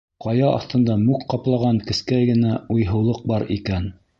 Ҡая аҫтында мүк ҡаплаған кескәй генә уйһыулыҡ бар икән.